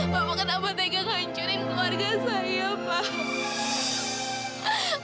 bapak kenapa tidak hancurin keluarga saya pak